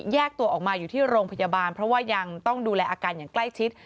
ตัวออกมาอยู่ที่โรงพยาบาลเพราะว่ายังต้องดูแลอาการอย่างใกล้ชิด